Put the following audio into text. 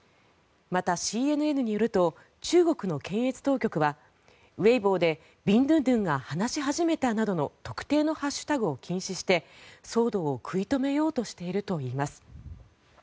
また、ＣＮＮによると中国の検閲当局はウェイボーでビンドゥンドゥンが話し始めたなどの特定のハッシュタグを禁止して騒動を食い止めようとしているといいます。